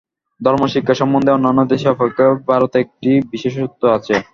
ধর্মশিক্ষা সম্বন্ধে অন্যান্য দেশ অপেক্ষা ভারতে একটি বিশেষত্ব আছে।